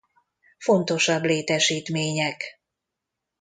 Fontosabb létesítmények